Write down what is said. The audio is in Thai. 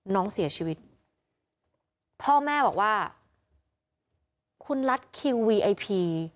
น้องเสียชีวิตพ่อแม่บอกว่าคุณลัดคิววีไอพี